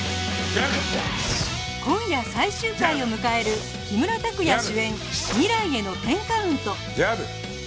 今夜最終回を迎える木村拓哉主演『未来への１０カウント』